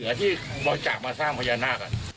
เหลือที่บอกจากมาสร้างพญานาค